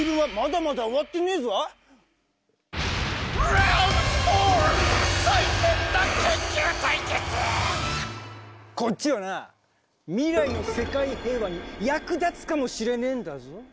ではもうお二人ともこっちはな未来の世界平和に役立つかもしれねえんだぞ。